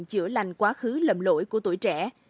chữa lành quá khứ lầm lỗi của tuổi trẻ